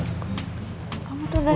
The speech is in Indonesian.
kamu tau dari mana sih